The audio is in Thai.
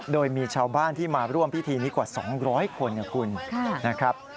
โดยมีชาวบ้านที่มาร่วมพิธีนี้กว่า๒๐๐คนนะคุณนะครับ